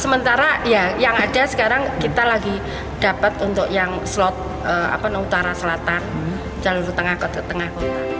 sementara ya yang ada sekarang kita lagi dapat untuk yang slot utara selatan jalur tengah ke tengah kota